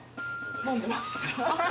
飲んでました。